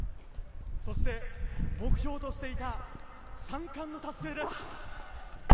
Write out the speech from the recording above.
そして目標としていた３冠の達成です。